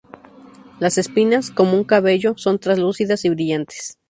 Las espinas, como un cabello, son translúcidas y brillantes.